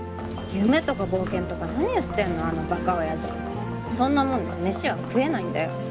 夢とか冒険とか何言ってんのあのバカ親父そんなもんでメシは食えないんだよ